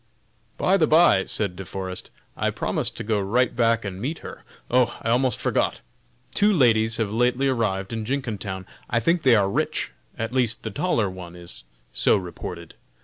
"By the by!" said De Forest, "I promised to go right back and meet her. Oh! I almost forgot! two ladies have lately arrived in Jenkintown; I think they are rich, at least the taller one is so reported.